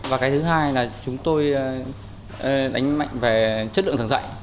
và cái thứ hai là chúng tôi đánh mạnh về chất lượng giảng dạy